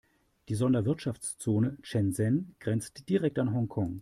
Die Sonderwirtschaftszone Shenzhen grenzt direkt an Hongkong.